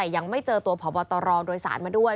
ยังไม่เจอตัวพบตรโดยสารมาด้วย